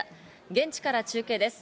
現地から中継です。